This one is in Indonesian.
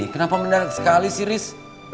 kenapa benar sekali sih ris